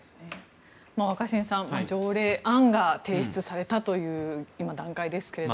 若新さん条例案が提出されたという今、段階ですけれども。